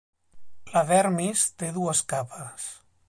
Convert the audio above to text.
La dermis té dues capes.